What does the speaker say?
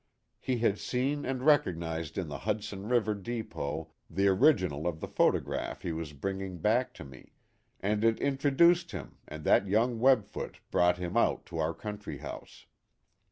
He had seen and recognized in the Hud son River depot the original of the photograph he was bringing back to me, and it introduced him, and that young Webfoot brought him out to our country house.